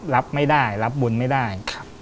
รับไม่ได้รับบุญไม่ได้